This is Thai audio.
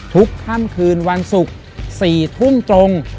ทุกค่ำคืนวันศุกร์๔ทุ่มตรง